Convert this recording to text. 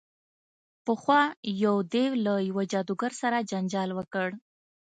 پخوا یو دیو له یوه جادوګر سره جنجال وکړ.